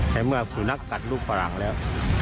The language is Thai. ในเมื่อศูนักกัดลูกฝรั่งแล้ว